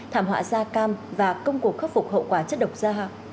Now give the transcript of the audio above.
thảm họa da cam và công cụ khắc phục hậu quả chất độc da cam